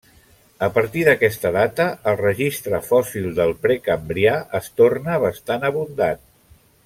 A partir d'aquesta data, el registre fòssil del precambrià es torna bastant abundant.